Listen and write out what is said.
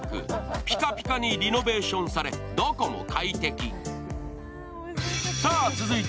ピカピカにリノベーションされ、どこも快適。